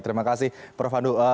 terima kasih prof handu